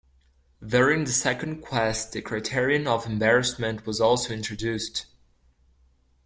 During the second quest the criterion of embarrassment was also introduced.